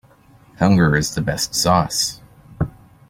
Hunger is the best sauce.